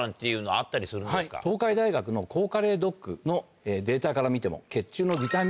東海大学の抗加齢ドックのデータから見ても血中の。